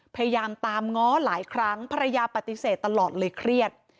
พยายามตามง้อหลายครั้งภรรยาปฏิเสธตลอดเลยเครียด